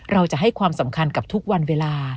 เราจะให้ความสำคัญกับทุกวันเวลา